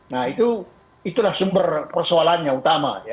nah itulah sumber persoalannya utama